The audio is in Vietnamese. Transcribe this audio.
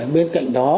bên cạnh đó